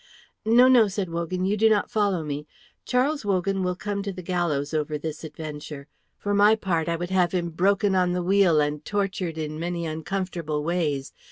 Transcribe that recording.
"No, no," said Wogan; "you do not follow me. Charles Wogan will come to the gallows over this adventure. For my part, I would have him broken on the wheel and tortured in many uncomfortable ways.